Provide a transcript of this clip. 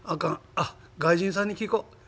あっ外人さんに聞こ。